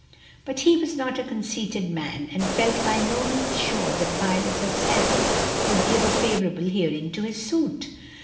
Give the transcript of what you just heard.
But he was not a conceited man, and felt by no means sure that Violet herself would give a favorable hearing to his suit.